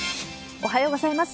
おはようございます。